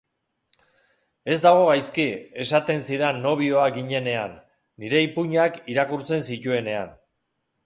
Ez dago gaizki, esaten zidan nobioak ginenean, nire ipuinak irakurtzen zituenean.